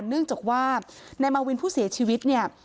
เนื่องจากว่านายมาวินผู้เสียชีวิตเนี่ย